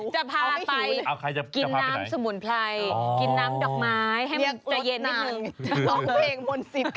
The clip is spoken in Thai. จะพาไปกินน้ำสมุนไพรกินน้ำดอกไม้ให้มันเจ๋ยนนิดนึง